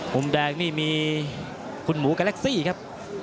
มุมแดงนี่มีคุณหมูกับแล็กซี่ครับ